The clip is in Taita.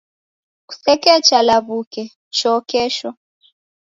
Kusekecha law'uke, choo kesho.